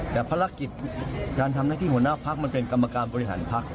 แต่ภารกิจการทำหน้าที่หัวหน้าพักมันเป็นกรรมการบริหารพัก